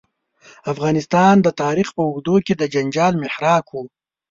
افغانستان د تاریخ په اوږدو کې د جنجال محراق و.